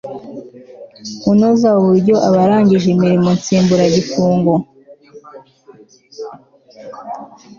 kunoza uburyo abarangije imirimo nsimbura gifungo